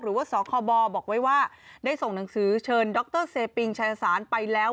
หรือว่าสคบบอกไว้ว่าได้ส่งหนังสือเชิญดรเซปิงชายสารไปแล้ว